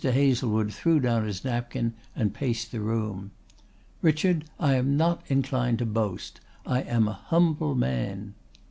Hazlewood threw down his napkin and paced the room. "Richard, I am not inclined to boast. I am a humble man."